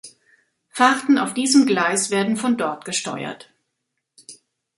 Fahrten auf diesem Gleis werden von dort gesteuert.